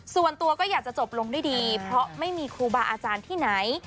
ส่วนตัวก็อยากจะจบลงด้วยดีเพราะไม่มีครูบาอาจารย์ที่ไหน